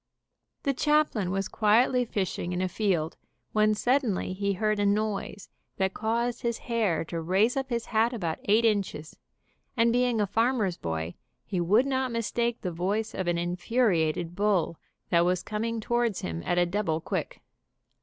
The chaplain was quietly fishing in a field when suddenly he heard a noise that caused his hair to raise up his hat about eight inches, and being a farmer's boy he would not mistake the voice of an infuriated bull that was com ing towards him at a double quick.